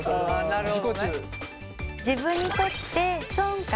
なるほど。